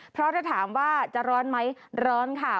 เพราะถ้าถามว่าจะร้อนไหมร้อนค่ะ